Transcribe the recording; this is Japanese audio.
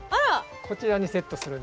こちらにセットするんですけれども。